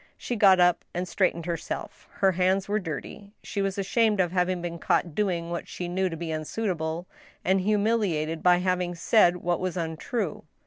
She got up and straightened herself. Her hands were dirty ; she was ashamed of having been caught doing what she knew to be unsuitable, and humiliated by having said what was untrue.